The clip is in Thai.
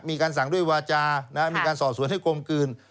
มีการสั่งด้วยวาจามีการสอบสวนให้กลมกลืน